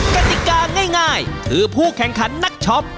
กติกาง่ายคือผู้แข่งขันนักช็อป